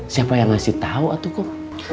siapa yang ngasih tahu atukum